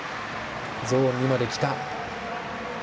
ゾーン２まできた。